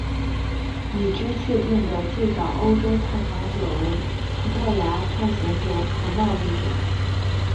已知确定的最早欧洲探访者为葡萄牙探险者和贸易者。